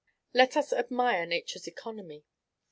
Let us admire Nature's economy.